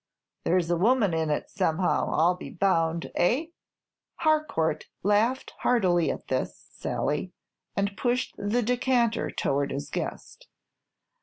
"There's a woman in it, somehow, I 'll be bound, eh?" Harcourt laughed heartily at this sally, and pushed the decanter towards his guest.